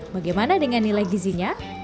bagaimana dengan nilai gizinya